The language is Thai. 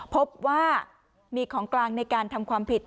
พบว่ามีของกลางในการทำความผิด